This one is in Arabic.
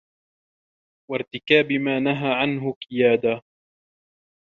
وَارْتِكَابِ مَا نَهَى عَنْهُ كِيَادًا